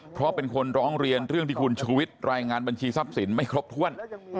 เพราะเป็นคนร้องเรียนเรื่องที่คุณชูวิทย์รายงานบัญชีทรัพย์สินไม่ครบถ้วน